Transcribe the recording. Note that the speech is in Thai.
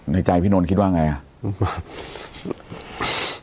ในใจพี่นนท์คิดว่าไงอ่ะ